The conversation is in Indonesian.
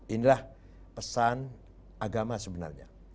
inilah pesan agama sebenarnya